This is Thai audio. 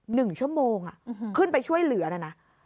หนึ่งชั่วโมงอ่ะอืมขึ้นไปช่วยเหลือนะนะ